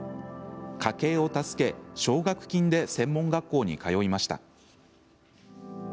家計を助け、奨学金で専門学校に通いました。